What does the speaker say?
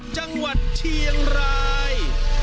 จังหวัดเชียงราย